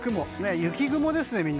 雪雲ですね。